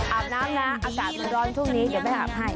อาบน้ำนะอากาศมันร้อนช่วงนี้เดี๋ยวไม่อาบให้